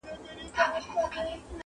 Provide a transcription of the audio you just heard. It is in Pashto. لوټوي چي لوپټه د خورکۍ ورو ورو!!